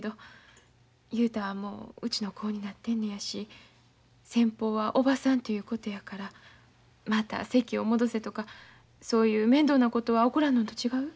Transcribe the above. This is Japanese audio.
雄太はもううちの子になってんのやし先方はおばさんということやからまた籍を戻せとかそういう面倒なことは起こらんのと違う？